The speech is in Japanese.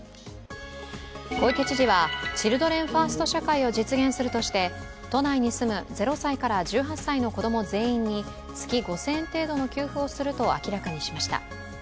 小池知事はチルドレンファースト社会を実現するとして都内に住む０歳から１８歳の子供全員に月５０００円程度の給付をすると明らかにしました。